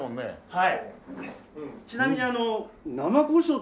はい。